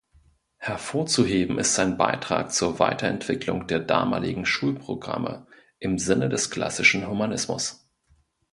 Hervorzuheben ist sein Beitrag zur Weiterentwicklung der damaligen Schulprogramme im Sinne des klassischen Humanismus.